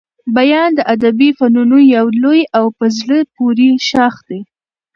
بیان د ادبي فنونو يو لوی او په زړه پوري ښاخ دئ.